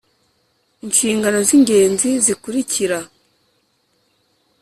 inshingano z ingenzi zikurikira